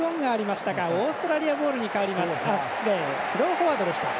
スローフォワードでした。